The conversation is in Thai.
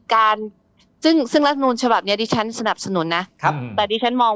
การซึ่งซึ่งลับนูนเฉพาะแน่ดิฉันสนับสนุนนะแต่ดิฉันมอง